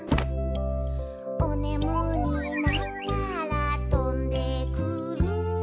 「おねむになったらとんでくる」